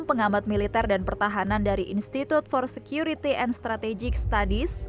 pengambat militer dan pertahanan dari institute for security and strategic studies